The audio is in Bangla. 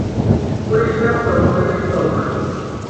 পরিষ্কার, টলমলে, শীতল পানি।